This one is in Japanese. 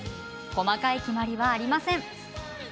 細かい決まりはありません。